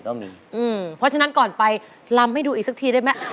เพราะฉะนั้นก่อนไปลำให้ดูอีกสักทีได้ไหม